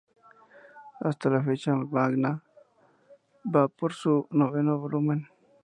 Hasta la fecha el manga va por su noveno volumen.